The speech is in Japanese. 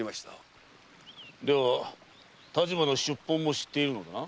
では但馬の出奔も知っているのだな？